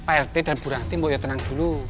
pak rete dan bu ranti mau tenang dulu